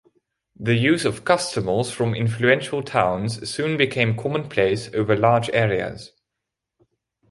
The use of custumals from influential towns soon became commonplace over large areas.